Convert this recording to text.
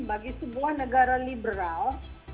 bagi sebuah negara liberal